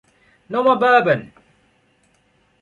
No more Bourbon!